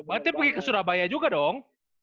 berarti pergi ke surabaya juga dong